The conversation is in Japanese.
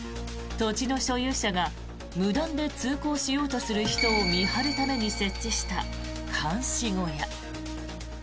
土地の所有者が無断で通行しようとする人を見張るために設置した監視小屋。